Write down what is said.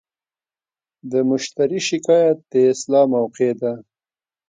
د مشتری شکایت د اصلاح موقعه ده.